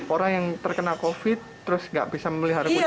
orang yang terkena covid sembilan belas terus nggak bisa memelihara kucingnya